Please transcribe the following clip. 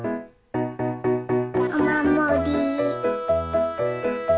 おまもり。